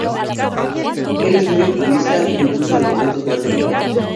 Él es muy optimista, incluso en los momentos más delicados.